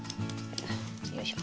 よいしょ。